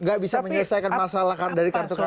nggak bisa menyelesaikan masalah dari kartu kartu